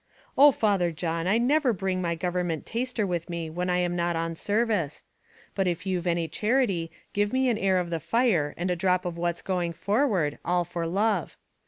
"Oh, Father John, I never bring my government taster with me when I am not on service; but if you've any charity, give me an air of the fire and a drop of what's going forward, all for love.